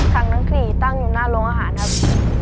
ทั้ง๔ตั้งอยู่หน้าโรงอาหารครับ